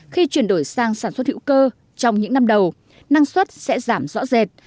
khi chuyển đổi sang sản xuất hữu cơ trong những năm đầu năng suất sẽ giảm rõ rệt